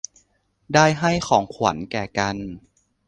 ได้ให้ของขวัญแก่กัน